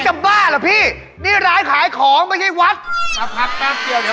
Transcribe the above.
ไม่ได้เปิดผักเปิดบาปเลย